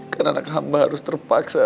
karena anak hamba harus terpaksa